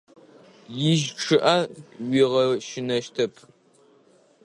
Ижьы чъыIэ уигъэщынэщтэп.